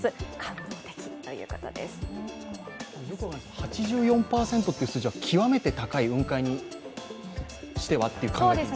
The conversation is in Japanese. ８４％という数字は極めて高い、雲海にしてはという考え方ですか？